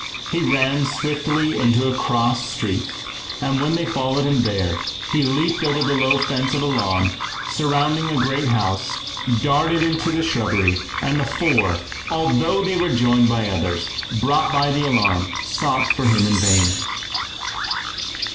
He ran swiftly into a cross street, and when they followed him there he leaped over the low fence of a lawn, surrounding a great house, darted into the shrubbery, and the four, although they were joined by others, brought by the alarm, sought for him in vain.